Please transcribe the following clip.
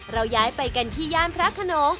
ย้ายไปกันที่ย่านพระขนง